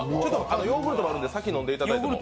ヨーグルトもあるので先に飲んでいただいても。